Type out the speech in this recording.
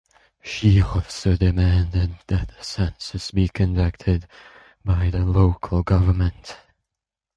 She also demanded that the census should be conducted by local government.